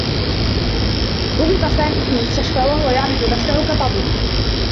ضُبِط سامي في مستشفى و هو يعرض نفسه كطبيب.